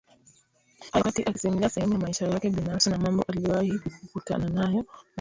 hayo wakati akisimulia sehemu ya maisha yake binafsi na mambo aliyowahi kukutana nayo maishani